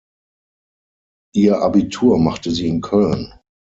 Ihr Abitur machte sie in Köln.